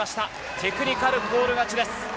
テクニカルフォール勝ちです。